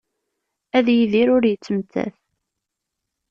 Ad yidir ur yettmettat.